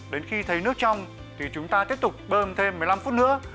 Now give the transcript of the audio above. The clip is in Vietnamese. đến khi thấy nước trong thì chúng ta tiếp tục bơm thêm một mươi năm phút nữa